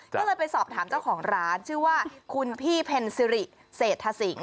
ก็เลยไปสอบถามเจ้าของร้านชื่อว่าคุณพี่เพ็ญซิริเศรษฐสิง